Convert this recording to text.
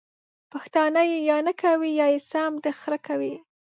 پښتانه ېې یا نکوي یا يې سم د خره کوي!